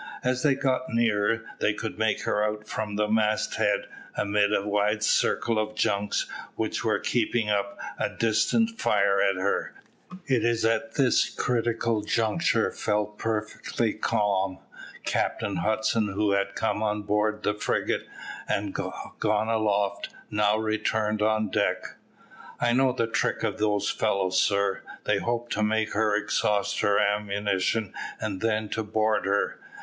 As they got nearer, they could make her out from the mast head, amid a wide circle of junks which were keeping up a distant fire at her. It at this critical juncture fell perfectly calm. Captain Hudson, who had come on board the frigate and gone aloft, now returned on deck. "I know the trick of those fellows, sir. They hope to make her exhaust her ammunition and then to board her.